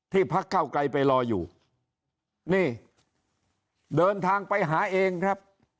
พักเก้าไกลไปรออยู่นี่เดินทางไปหาเองครับ